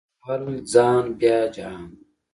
اول ځان بیا جهان